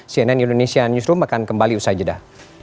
cnn indonesia newsroom akan kembali usai jeda